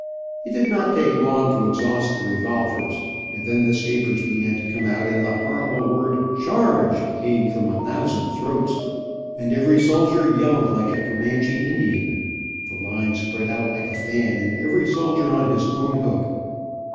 It did not take long to exhaust the revolvers, and then the sabers began to come out, and the horrible word "charge," came from a thousand throats, and every soldier yelled like a Comanche Indian, the line spread out like a fan, and every soldier on his own hook.